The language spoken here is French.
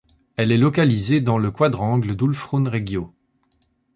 Elle est localisée dans le quadrangle d'Ulfrun Regio.